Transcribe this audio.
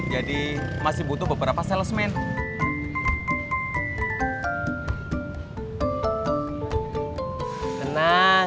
jadi masih butuh beberapa salesman